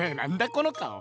この顔。